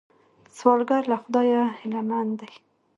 سوالګر له خدایه هیلمن دی